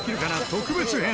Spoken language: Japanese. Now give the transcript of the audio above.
特別編